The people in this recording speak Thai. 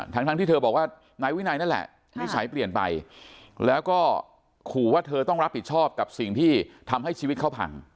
ทั้งที่เธอบอกว่านายวินัยนั่นแหละนิสัยเปลี่ยนไปแล้วก็ขู่ว่าเธอต้องรับผิดชอบกับสิ่งที่ทำให้ชีวิตเขาพัง